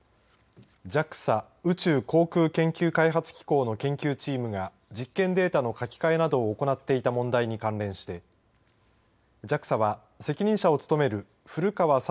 ＪＡＸＡ宇宙航空研究開発機構の研究チームが実験データの書き換えなどを行っていた問題に関連してＪＡＸＡは、責任者を務める古川聡